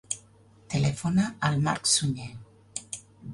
Telefona al Marc Suñe.